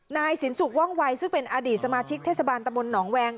นายสินสุขว่องวัยซึ่งเป็นอดีตสมาชิกเทศบาลตะมนตหนองแวง